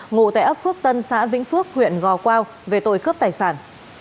ngụ tại ấp phước tân xã vĩnh phước huyện gò quao về tội cướp tài sản